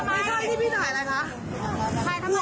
ใครผัวหนูคะไม่มีใครผัวหนูค่ะ